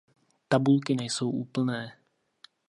Tabulky nejsou úplné.